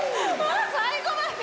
最後まで！